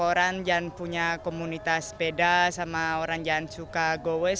ada orang yang punya komunitas beda sama orang yang suka go waste